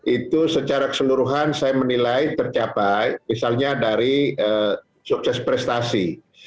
itu secara keseluruhan saya menilai tercapai misalnya dari sukses prestasi